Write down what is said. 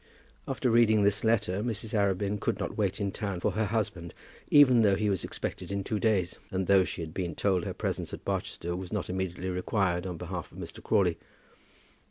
After reading this letter, Mrs. Arabin could not wait in town for her husband, even though he was expected in two days, and though she had been told that her presence at Barchester was not immediately required on behalf of Mr. Crawley.